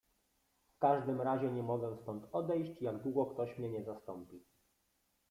"W każdym razie nie mogę stąd odejść, jak długo ktoś mnie nie zastąpi."